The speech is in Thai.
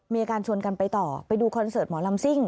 มีการชวนกันไปต่อไปดูคอนเสิร์ตหมอลำซิ่ง